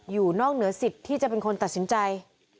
อยู่นอกเหนือสิทธิ์ที่จะเป็นคนตัดสินใจ